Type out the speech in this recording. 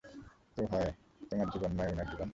তো, হয় তোমার জীবন নয় উনার জীবন?